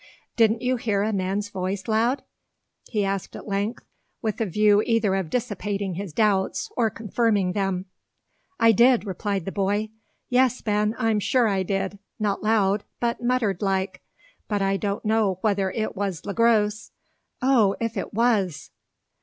"Didn't you hear a man's voice, lad?" he asked at length, with a view either of dissipating his doubts or confirming them. "I did," replied the boy. "Yes, Ben; I'm sure I did, not loud, but muttered like. But I don't know whether if was Le Gros. O, if it was!"